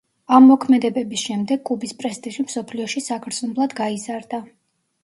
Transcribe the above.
ამ მოქმედებების შემდეგ კუბის პრესტიჟი მსოფლიოში საგრძნობლად გაიზარდა.